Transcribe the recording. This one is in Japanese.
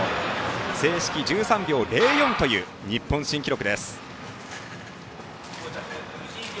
正式１３秒０４という日本新記録。